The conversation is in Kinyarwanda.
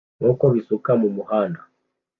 nkuko bisuka mumuhanda